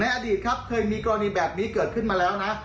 อดีตครับเคยมีกรณีแบบนี้เกิดขึ้นมาแล้วนะ